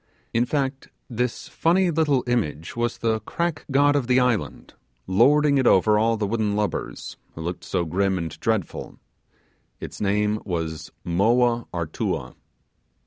In fact, this funny little image was the 'crack' god of the island; lording it over all the wooden lubbers who looked so grim and dreadful; its name was Moa Artua*.